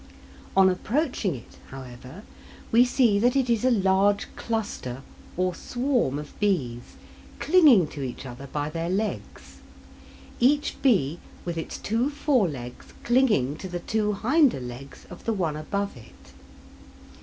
On approaching it, however, we see that it is a large cluster or swarm of bees clinging to each other by their legs; each bee with its two fore legs clinging to the two hinder legs of the one above it.